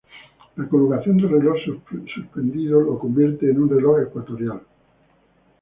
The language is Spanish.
La colocación del reloj suspendido lo convierte en un reloj ecuatorial.